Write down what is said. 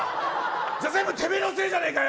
全部てめえのせいじゃねえかよ！